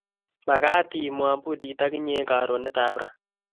Makat iip mwambulit ak inye eng karonet ap ra